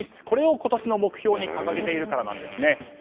これを今年の目標に掲げているからなんですね。